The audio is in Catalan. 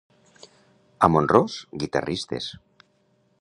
A Mont-ros, guitarristes.